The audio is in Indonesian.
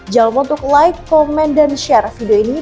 jawab untuk like komen dan share video ini